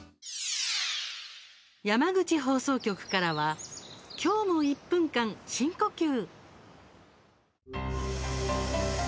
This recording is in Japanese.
山口放送局からは「きょうも１分間、深呼吸。」。